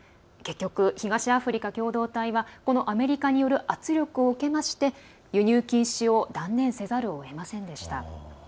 結局、東アフリカ共同体はアメリカによる圧力を受けまして輸入禁止を断念せざるをえませんでした。